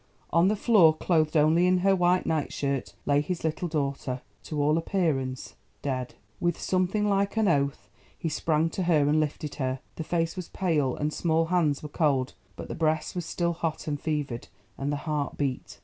On the floor, clothed only in her white night shirt, lay his little daughter, to all appearance dead. With something like an oath he sprang to her and lifted her. The face was pale and the small hands were cold, but the breast was still hot and fevered, and the heart beat.